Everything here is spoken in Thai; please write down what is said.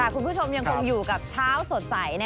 คุณผู้ชมยังคงอยู่กับเช้าสดใส